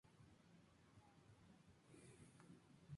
Su primer cura vicario fue Antonio Mariano Alonso.